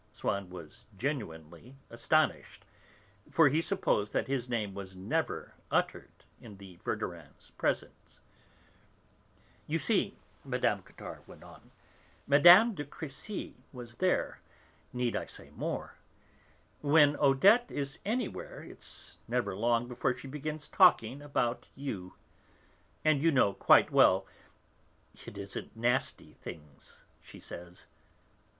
Swann was genuinely astonished, for he supposed that his name was never uttered in the Verdurins' presence. "You see," Mme. Cottard went on, "Mme. de Crécy was there; need I say more? When Odette is anywhere it's never long before she begins talking about you. And you know quite well, it isn't nasty things she says.